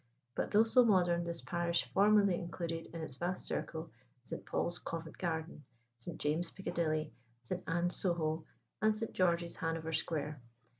But though so modern, this parish formerly included in its vast circle St. Paul's Covent Garden, St. James's Piccadilly, St. Anne's Soho, and St. George's Hanover Square.